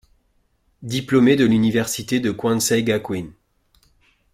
Diplômé de l'université de Kwansei Gakuin.